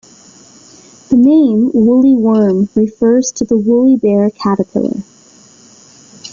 The name "Woolly Worm" refers to the Woolly bear caterpillar.